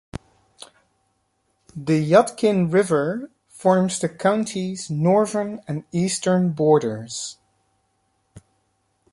The Yadkin River forms the county's northern and eastern borders.